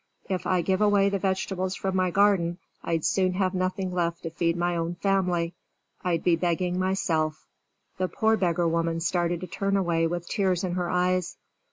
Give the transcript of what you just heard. If I give away the vegetables from my garden, I'd soon have nothing left to feed my own family. I'd be begging myself." The poor beggar woman started to turn away with tears in her eyes.